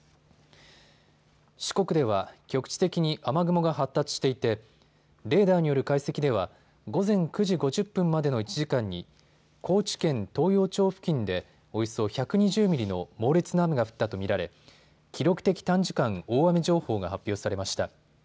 四国では局地的に雨雲が発達していてレーダーによる解析では午前９時５０分までの１時間に高知県東洋町付近でおよそ１２０ミリの猛烈な雨が降ったと見られ記録的短時間大雨情報が発表されました。